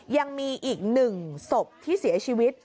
ยังมีอีกหนึ่งสบที่เสียชีวิต